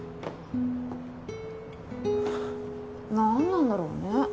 何なんだろうね